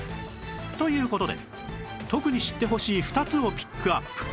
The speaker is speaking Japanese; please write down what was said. という事で特に知ってほしい２つをピックアップ